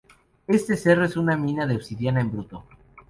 Este cerro es una mina de obsidiana en bruto.